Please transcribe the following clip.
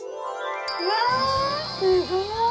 うわすごい！